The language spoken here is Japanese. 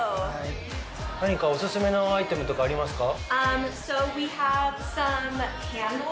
何かお勧めのアイテムとかありますか。